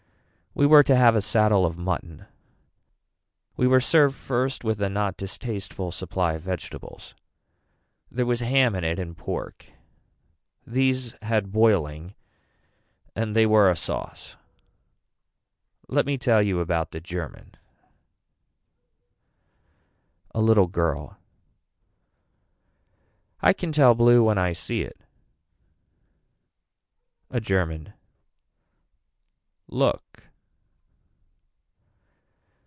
We were to have a saddle of mutton. We were served first with a not distasteful supply of vegetables. There was ham in it and pork. These had boiling and they were a sauce. Let me tell you about the german. A little girl. I can tell blue when I see it. A German. Look.